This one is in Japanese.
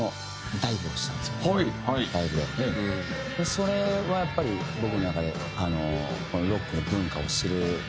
それはやっぱり僕の中で。